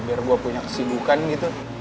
biar gue punya kesibukan gitu